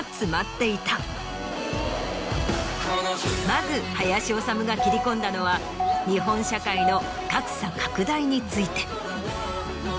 まず林修が切り込んだのは日本社会の格差拡大について。